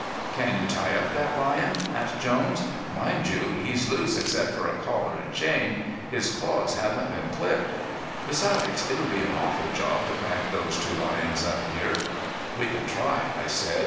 "Can you tie up that lion?" asked Jones. "Mind you, he's loose except for a collar and chain. His claws haven't been clipped. Besides, it'll be an awful job to pack those two lions up here." "We can try," I said.